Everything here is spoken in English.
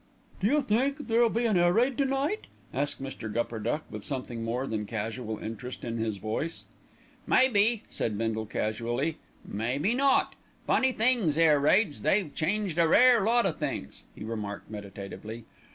"Do you think there'll be an air raid to night?" asked Mr. Gupperduck with something more than casual interest in his voice. "May be," said Bindle casually, "may be not. Funny things, air raids, they've changed a rare lot o' things," he remarked meditatively.